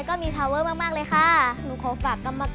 ขอบคุณครับ